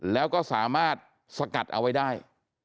แล้วก็สามารถสกัดเอาไว้ได้